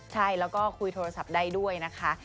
ใช่แล้วก็คุยโทรศัพท์ได้ด้วยนะคะ